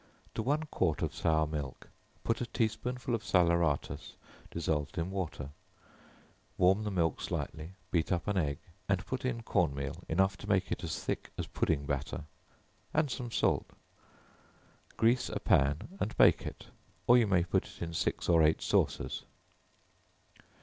To one quart of sour milk, put a tea spoonful of salaeratus, dissolved in water; warm the milk slightly, beat up an egg, and put in corn meal enough to make it as thick as pudding batter, and some salt; grease a pan and bake it, or you may put it in six or eight saucers.